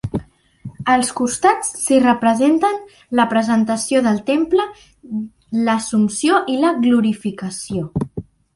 Als costats, s’hi representen la presentació del temple, l’assumpció i la glorificació.